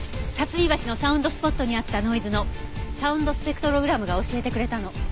巽橋のサウンドスポットにあったノイズのサウンドスペクトログラムが教えてくれたの。